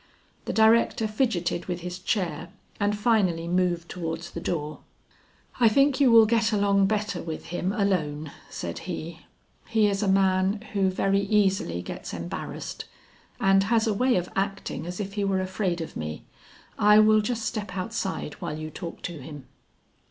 The director fidgeted with his chair and finally moved towards the door. "I think you will get along better with him alone," said he. "He is a man who very easily gets embarrassed, and has a way of acting as if he were afraid of me. I will just step outside while you talk to him."